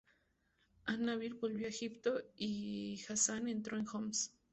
An-Nassir volvió a Egipto y Ghazan entró en Homs.